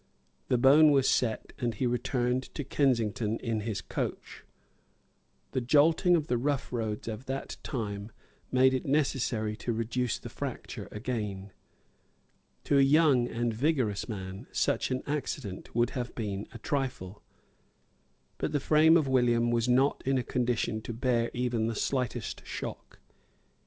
The bone was set; and he returned to Kensington in his coach. The jolting of the rough roads of that time made it necessary to reduce the fracture again. To a young and vigorous man such an accident would have been a trifle. But the frame of William was not in a condition to bear even the slightest shock.